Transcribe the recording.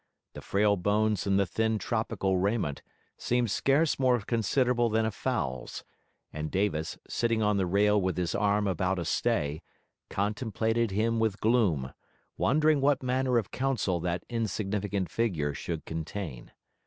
The frail bones in the thin tropical raiment seemed scarce more considerable than a fowl's; and Davis, sitting on the rail with his arm about a stay, contemplated him with gloom, wondering what manner of counsel that insignificant figure should contain.